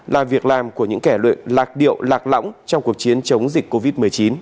là việc làm của những kẻ lạc điệu lạc lõng trong cuộc chiến chống dịch covid một mươi chín